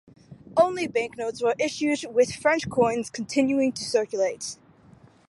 Only banknotes were issued with French coins continuing to circulate.